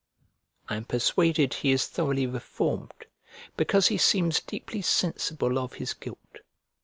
I am persuaded he is thoroughly reformed, because he seems deeply sensible of his guilt.